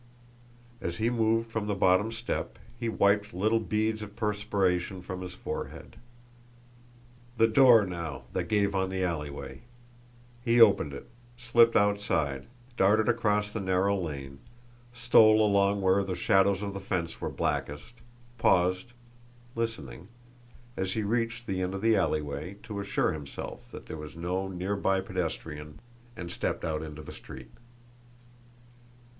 As he moved from the bottom step, he wiped little beads of perspiration from his forehead. The door, now, that gave on the alleyway! He opened it, slipped outside, darted across the narrow lane, stole along where the shadows of the fence were blackest, paused, listening, as he reached the end of the alleyway, to assure himself that there was no near by pedestrian and stepped out into the street.